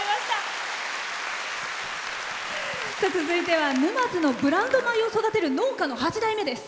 続いては沼津のブランド米を育てる農家の８代目です。